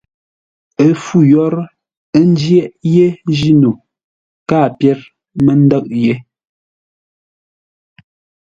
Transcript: Ə́ fû yórə́, ə́ njyéʼ yé jíno, káa pyér mə́ ndə̂ʼ yé.